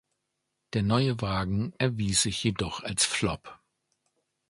Der neue Wagen erwies sich jedoch als Flop.